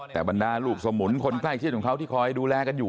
แต่บรรดาลูกสมุนคนใกล้ชิดของเขาที่คอยดูแลกันอยู่